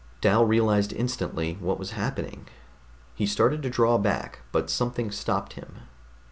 Dal realized instantly what was happening. He started to draw back, but something stopped him.